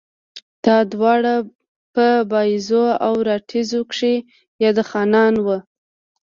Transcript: دا دواړه پۀ بائيزو او راڼېزو کښې ياد خانان وو